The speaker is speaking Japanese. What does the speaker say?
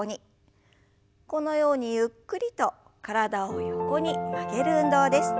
このようにゆっくりと体を横に曲げる運動です。